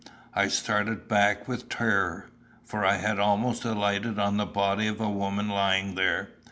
I started back with terror, for I had almost alighted on the body of a woman lying there.